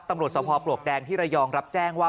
ตำรวจสภพปลวกแดงที่ระยองรับแจ้งว่า